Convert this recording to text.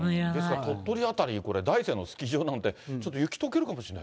鳥取辺り、大山のスキー場なんて、ちょっと雪とけるかもしれない。